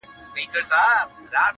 نا امیده له قاضي له حکومته!!